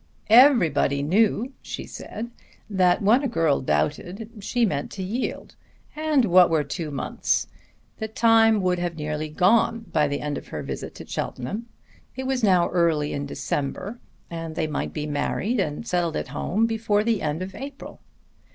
Everybody knew, she said, that when a girl doubted she meant to yield. And what were two months? The time would have nearly gone by the end of her visit to Cheltenham. It was now early in December, and they might be married and settled at home before the end of April.